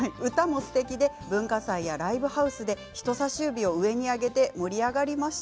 文化祭やライブハウスで人さし指を上に上げて盛り上がりました。